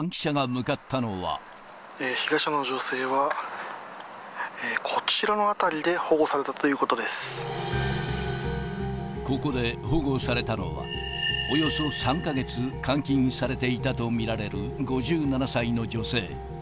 被害者の女性は、こちらの辺ここで保護されたのは、およそ３か月、監禁されていたと見られる５７歳の女性。